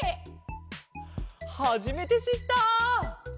はじめてしった！